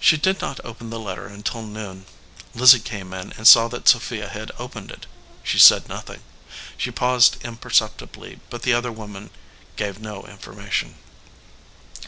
She did not open the letter until noon. Lizzie came in and saw that Sophia had opened it. She said nothing. She paused imperceptibly, but the other woman gave no information.